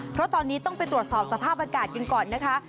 เพราะตอนนี้ต้องไปตรวจสอบสภาพอากาศกันก่อนนะคะ